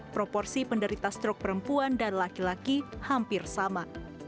proporsi penderita strok perempuan dan laki laki hampir sama